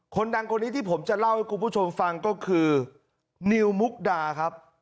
คนดังคนนี้ที่ผมจะเล่าให้คุณผู้ชมฟังก็คือนิวมุกดาครับ